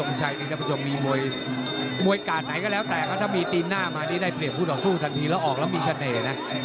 ท่านผู้ชมมีมวยกาดไหนก็แล้วแต่นะถ้ามีตีนหน้ามานี่ได้เปรียบผู้ต่อสู้ทันทีแล้วออกแล้วมีเสน่ห์นะ